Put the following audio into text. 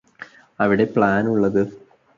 അവിടെ പ്ലാൻ ഉള്ളത്